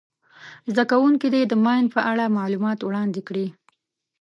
زده کوونکي دې د ماین په اړه معلومات وړاندي کړي.